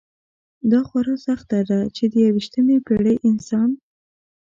دا خورا سخته ده چې د یویشتمې پېړۍ انسان.